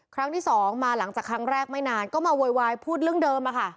ครั้งที่สองมาหลังจากครั้งแรกไม่นานก็มาโวยวายพูดเรื่องเดิมอะค่ะ